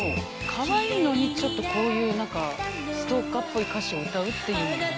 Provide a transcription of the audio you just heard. かわいいのにちょっとこういうなんかストーカーっぽい歌詞を歌うっていうのがね。